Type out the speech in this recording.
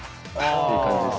いい感じです。